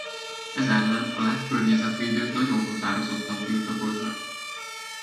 Ez ellen a lett környezetvédők nagyon határozottan tiltakoznak.